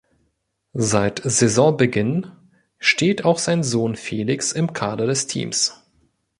Seit Saisonbeginn steht auch sein Sohn Felix im Kader des Teams.